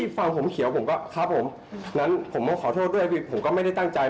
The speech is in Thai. ฟังผมเขียวผมก็ครับผมงั้นผมก็ขอโทษด้วยพี่ผมก็ไม่ได้ตั้งใจ